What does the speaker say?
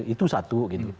itu satu gitu